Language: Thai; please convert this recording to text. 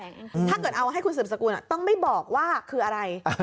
ถ้าเกิดเอาให้คุณสืบสกุลต้องไม่บอกว่าคืออะไร